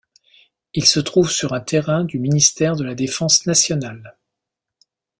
Il se trouve sur un terrain du Ministère de la Défense nationale.